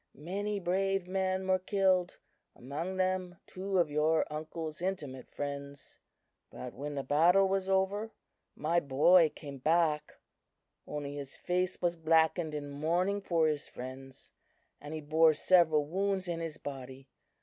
Many brave men were killed; among them two of your uncle's intimate friends. But when the battle was over, my boy came back; only his face was blackened in mourning for his friends, and he bore several wounds in his body.